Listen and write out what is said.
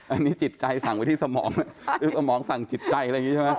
อันนี้จิตใจสั่งไว้ที่สมองหรือสมองสั่งจิตใจอะไรอย่างนี้ใช่ไหม